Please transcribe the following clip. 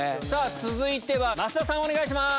続いては増田さんお願いします。